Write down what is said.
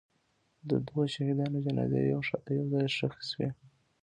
د دوو شهیدانو جنازې یو ځای ښخ شوې.